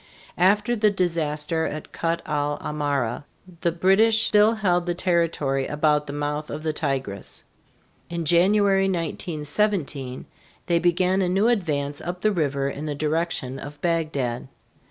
After the disaster at Kut el Amara the British still held the territory about the mouth of the Tigris. In January, 1917, they began a new advance up the river in the direction of Bagdad.